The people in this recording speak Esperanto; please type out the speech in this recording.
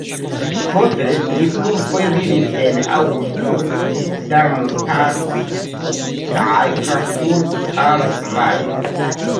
Poste li plurfoje vivis en Augsburg, Darmstadt kaj Frankfurt am Main.